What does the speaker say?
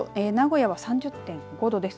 名古屋は３０．５度です。